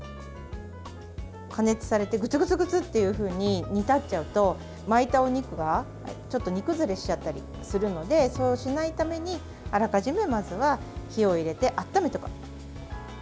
加熱されてグツグツというふうに煮立っちゃうと巻いたお肉が、ちょっと煮崩れしちゃったりするのでそうしないために、あらかじめまずは火を入れて温めておきます。